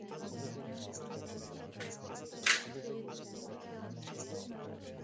Proč teď nepřijímáme rozhodnutí?